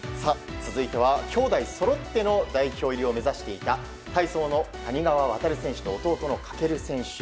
続いては兄弟そろっての代表入りを目指していた体操の谷川航選手と弟の翔選手。